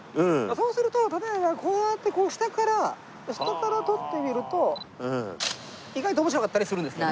そうすると例えばこうやってこう下から下から撮ってみると意外と面白かったりするんですけどね。